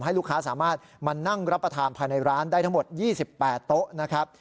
ลูกค้าสามารถมานั่งรับประทานภายในร้านได้ทั้งหมด๒๘โต๊ะนะครับ